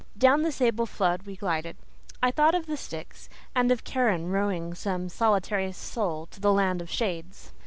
Down the sable flood we glided, I thought of the Styx, and of Charon rowing some solitary soul to the Land of Shades.